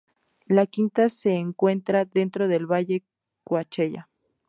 La Quinta se encuentra dentro del Valle Coachella.